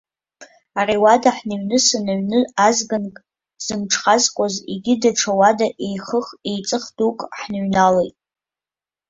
Ари ауада ҳныҩнысын, аҩны азганк зымҽхазкуаз егьи даҽа уада еихых-еиҵых дук ҳныҩналеит.